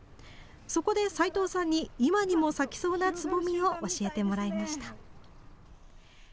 そこで斉藤さんに今にも咲きそうなつぼみを教えてもらいました。